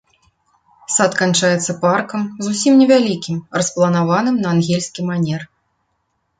Сад канчаецца паркам, зусім невялікім, распланаваным на ангельскі манер.